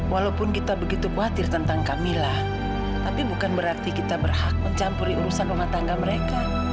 walaupun kita begitu khawatir tentang camillah tapi bukan berarti kita berhak mencampuri urusan rumah tangga mereka